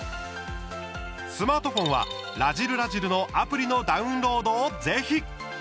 スマートフォンは「らじる★らじる」のアプリのダウンロードをぜひ！